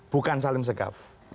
bukan salim sehgaf